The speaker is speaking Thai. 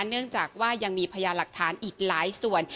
เนื่องจากว่ายังมีพยานหลักฐานอีกหลายส่วน